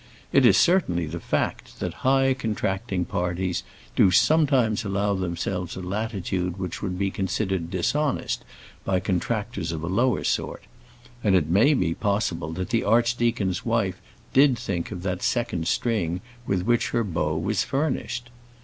It is certainly the fact that high contracting parties do sometimes allow themselves a latitude which would be considered dishonest by contractors of a lower sort; and it may be possible that the archdeacon's wife did think of that second string with which her bow was furnished.